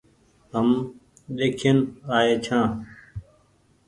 هم ۮيکين آئي ڇآن ۔